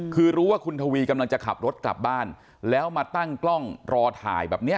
คือรู้ว่าคุณทวีกำลังจะขับรถกลับบ้านแล้วมาตั้งกล้องรอถ่ายแบบเนี้ย